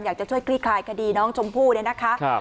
อยากจะช่วยคลี่คลายคดีน้องชมพู่เนี่ยนะคะ